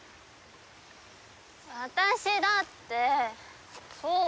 私だってそうだよ！